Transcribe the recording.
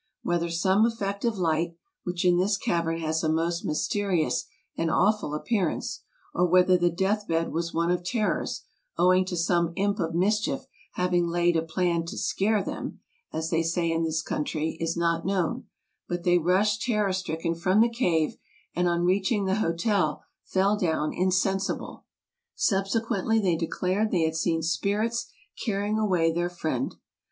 Whether some effect of light, which in this cavern has a most mysterious and awful appearance, or whether the death bed was one of terrors, owing to some imp of mischief having laid a plan to '' scare '' them, as they say in this country, is not known; but they rushed terror stricken from the cave, and on reaching the hotel fell down insensible. Subsequently they declared they had seen spirits carrying away their friend.